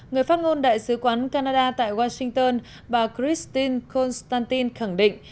người phát ngôn đại sứ quán canada tại washington bà christine constantine khẳng định